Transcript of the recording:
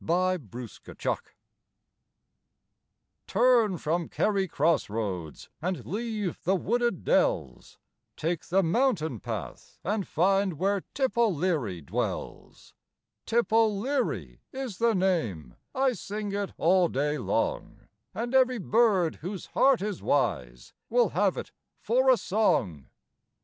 A HILL O' LIGHTS Turn from Kerry crossroads and leave the wooded dells, Take the mountain path and find where Tip O'Leary dwells; Tip O'Leary is the name, I sing it all day long, And every bird whose heart is wise will have it for a song.